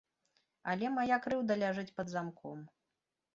Але мая крыўда ляжыць пад замком.